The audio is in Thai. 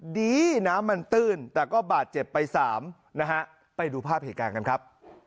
ดีน้ำมันตื้นแต่ก็บาดเจ็บไปสามนะฮะไปดูภาพเหตุการณ์กันครับ